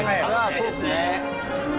そうですね。